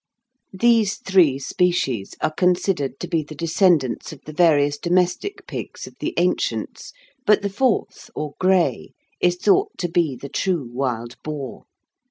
These three species are considered to be the descendants of the various domestic pigs of the ancients, but the fourth, or grey, is thought to be the true wild boar.